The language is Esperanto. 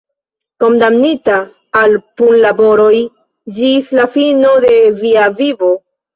Kondamnita al punlaboroj ĝis la fino de via vivo?